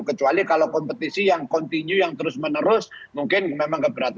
kecuali kalau kompetisi yang continue yang terus menerus mungkin memang tidak berat